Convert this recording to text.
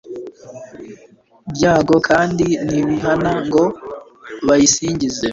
byago kandi ntibihana ngo bayisingize